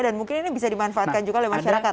dan mungkin ini bisa dimanfaatkan juga oleh masyarakat